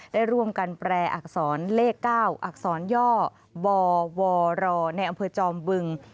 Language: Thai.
ได้ร่วมกันแปรอักษรเลข๙อักษรย่อบวรในอำเภอจอมบึง